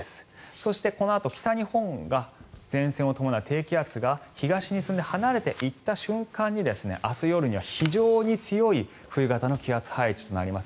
そして、このあと北日本が前線を伴う低気圧が東に進んで離れていった瞬間に明日夜には非常に強い冬型の気圧配置となります。